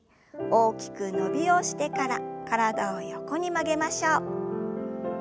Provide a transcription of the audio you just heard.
大きく伸びをしてから体を横に曲げましょう。